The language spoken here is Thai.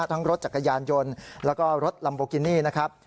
รถจักรยานยนต์แล้วก็รถลัมโบกินี่นะครับ